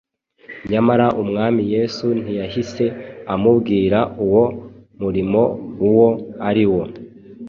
nyamara Umwami Yesu ntiyahise amubwira uwo murimo uwo ari wo.